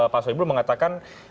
pak soebu mengatakan